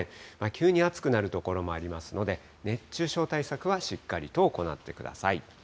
急に暑くなる所もありますので、熱中症対策はしっかりと行ってください。